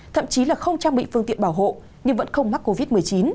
thậm chí là không trang bị phương tiện bảo hộ nhưng vẫn không mắc covid một mươi chín